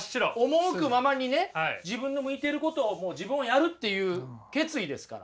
赴くままにね自分の向いていることをもう自分はやるっていう決意ですから。